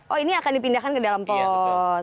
oh ini akan dipindahkan ke dalam pot